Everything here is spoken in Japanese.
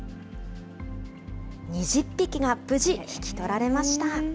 ２０匹が無事引き取られました。